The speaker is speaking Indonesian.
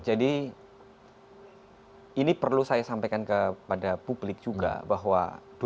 jadi perlu saya sampaikan kepada publik juga bahwa dua ribu empat belas